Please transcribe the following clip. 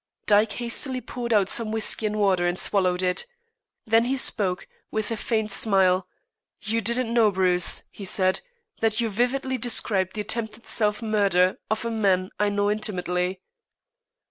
Dyke hastily poured out some whiskey and water and swallowed it. Then he spoke, with a faint smile: "You didn't know, Bruce," he said, "that you vividly described the attempted self murder of a man I know intimately."